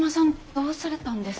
どうされたんです？